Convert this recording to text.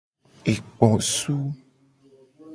Ekposu.